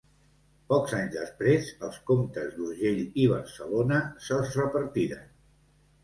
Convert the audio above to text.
Pocs anys després, els comtes d'Urgell i Barcelona se'ls repartiren.